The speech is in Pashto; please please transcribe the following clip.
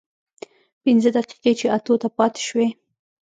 پينځه دقيقې چې اتو ته پاتې سوې.